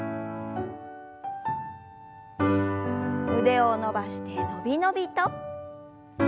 腕を伸ばしてのびのびと。